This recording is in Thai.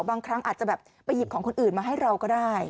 บางครั้งอาจจะแบบไปหยิบของคนอื่นมาให้เราก็ได้